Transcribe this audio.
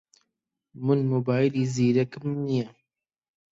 من مۆبایلی زیرەکم نییە.